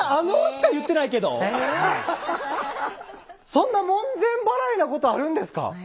そんな門前払いなことあるんですか？